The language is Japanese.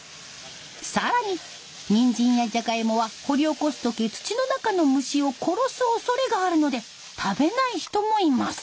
更にニンジンやジャガイモは掘り起こす時土の中の虫を殺すおそれがあるので食べない人もいます。